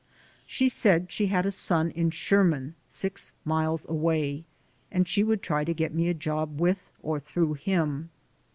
She said she had a son in Sherman, six miles away, and she would try to get me a job with or through him.